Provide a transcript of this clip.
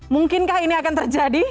mungkinkah ini akan terjadi